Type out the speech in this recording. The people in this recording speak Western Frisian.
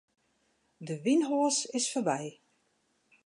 De wynhoas is foarby.